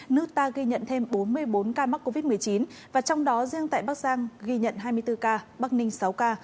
nước ta ghi nhận thêm bốn mươi bốn ca mắc covid một mươi chín và trong đó riêng tại bắc giang ghi nhận hai mươi bốn ca bắc ninh sáu ca